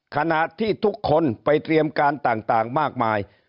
ขณะที่ทุกคนไปเตรียมการต่างมากมาย